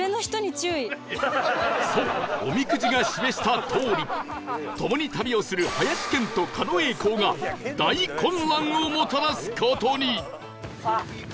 そうおみくじが示したとおり共に旅をする林遣都狩野英孝が大混乱をもたらす事に！